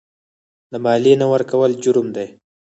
د مالیې نه ورکول جرم دی.